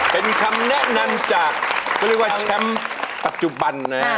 เป็นคำแนะนำจากเขาเรียกว่าแชมป์ปัจจุบันนะฮะ